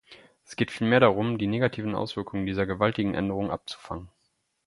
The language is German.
Es geht vielmehr darum, die negativen Auswirkungen dieser gewaltigen Änderung abzufangen.